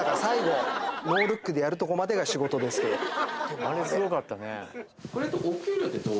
最後ノールックでやるとこまでが仕事ですけど。